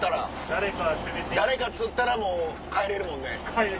誰か釣ったらもう帰れるもんね。